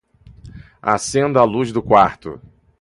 Acenda a luz do quarto